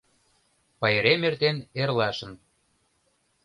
Пайрем эртен, эрлашын